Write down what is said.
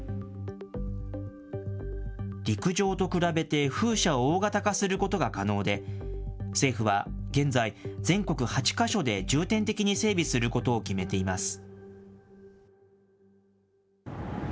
陸上と比べて風車を大型化することが可能で、政府は現在、全国８か所で重点的に整備することを決めています。